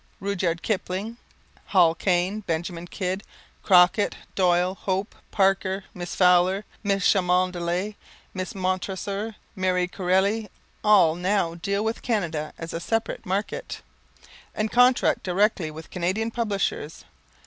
Rudyard Kipling, Hall Caine, Benjamin Kidd, Crockett, Doyle, Hope, Parker, Miss Fowler, Miss Cholmondeley, Miss Montresor, Marie Corelli, all now deal with Canada as a separate market, and contract directly with Canadian publishers.